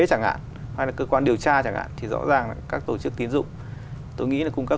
chẳng hạn hay là cơ quan điều tra chẳng hạn thì rõ ràng là các tổ chức tín dụng tôi nghĩ là cung cấp